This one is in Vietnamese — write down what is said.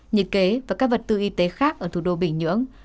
nhiệt kế và các vật tư y tế khác ở thủ đô bình nhưỡng